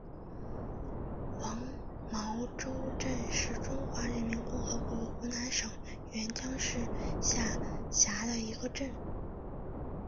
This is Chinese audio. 黄茅洲镇是中华人民共和国湖南省沅江市下辖的一个镇。